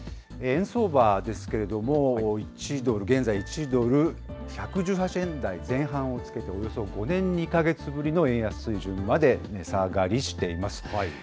円相場ですけれども、現在、１ドル１１８円台前半をつけて、およそ５年２か月ぶりの円安水準にまで値下がりしています。